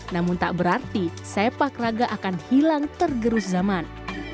namun tak berarti sepak raga akan hilang tergerus zaman